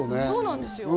そうなんですよ。